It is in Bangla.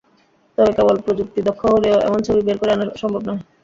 তবে কেবল প্রযুক্তি দক্ষ হলেও এমন ছবি বের করে আনা সম্ভব নয়।